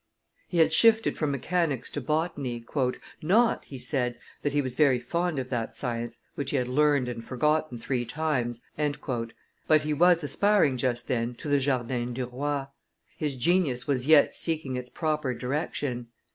He had shifted from mechanics to botany, "not," he said, "that he was very fond of that science, which he had learned and forgotten three times," but he was aspiring just then to the Jardin du Roi; his genius was yet seeking its proper direction.